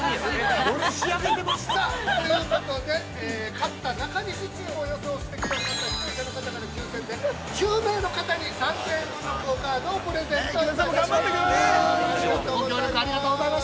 ◆勝った中西チームを予想してくれた方抽せんで１０名の方に、３０００円分のクオカードをプレゼントいたします。